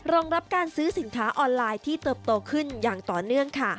รองรับการซื้อสินค้าออนไลน์ที่เติบโตขึ้นอย่างต่อเนื่องค่ะ